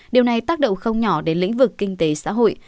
điều này tác động không nhỏ đến lĩnh vực kinh tế xã hội